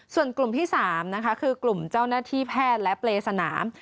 ส่วนกลุ่มที่๓นะคะคือกลุ่มเจ้าหน้าที่แพทย์และเปรย์สนาม